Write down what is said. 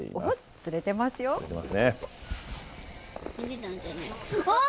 釣れてます。